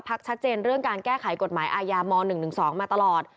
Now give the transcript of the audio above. ชัดเจนเรื่องการแก้ไขกฎหมายอาญาม๑๑๒มาตลอด